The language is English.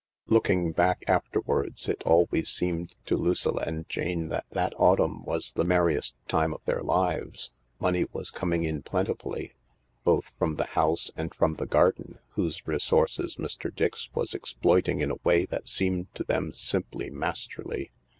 Looking back afterwards, it always seemed to Lucilla and Jane that that autumn was the merriest time of their lives. Money was coming in plentifully, both from the house and from the garden, whose resources Mr. Dix was exploit ing in a way that seemed to them simply masterly.